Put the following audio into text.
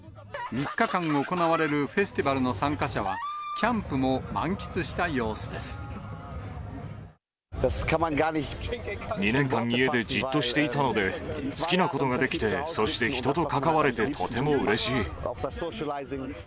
３日間行われるフェスティバルの参加者は、キャンプも満喫した様２年間、家でじっとしていたので、好きなことができて、そして人と関われてとてもうれしい。